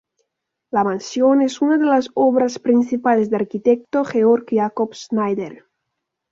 La mansión es una de las obras principales del arquitecto Georg Jakob Schneider.